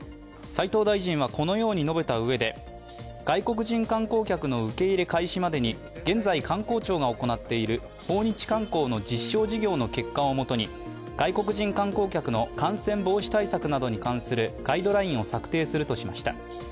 斉藤大臣はこのように述べたうえで外国人観光客の受け入れ開始までに現在、観光庁が行っている訪日観光の実証事業の結果を元に、外国人観光客の感染防止対策などに関するガイドラインを策定するとしました。